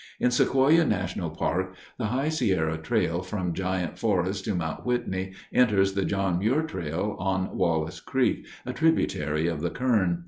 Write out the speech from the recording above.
In Sequoia National Park, the High Sierra Trail from Giant Forest to Mount Whitney enters the John Muir Trail on Wallace Creek, a tributary of the Kern.